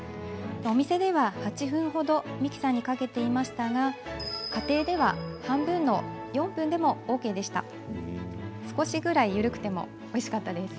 お店では８分ほどミキサーにかけていましたが家庭では半分の４分ほどでもＯＫです。